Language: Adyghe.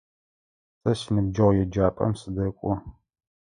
Сэ синыбджэгъу еджапӏэм сыдэкӏо.